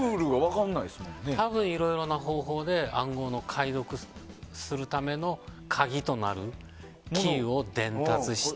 多分いろいろな方法で暗号を解読するための鍵となるキーを伝達して。